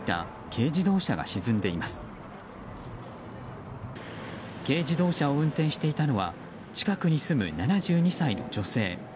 軽自動車を運転していたのは近くに住む７０代の女性。